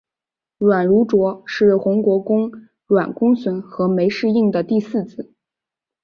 阮如琢是宏国公阮公笋和枚氏映的第四子。